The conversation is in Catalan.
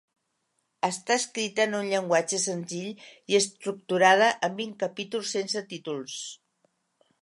Està escrita en un llenguatge senzill i estructurada en vint capítols sense títols.